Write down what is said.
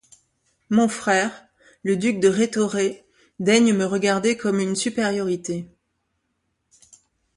Mon frère, le duc de Rhétoré, daigne me regarder comme une supériorité.